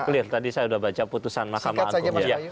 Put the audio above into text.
lihat tadi saya sudah baca putusan mahkamah agung